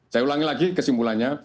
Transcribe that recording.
saya ulangi lagi kesimpulannya